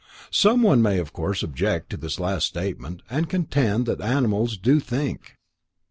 Some one may of course object to this last statement, and contend that animals do think.